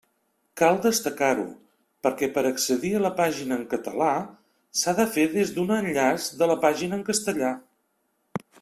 Cal destacar-ho perquè per accedir a la pàgina en català s'ha de fer des d'un enllaç de la pàgina en castellà.